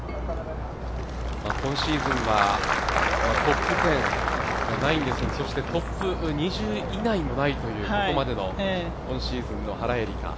今シーズンはトップ１０がないんですがトップ２０位以内もないという、ここまでの今シーズンの原英莉花。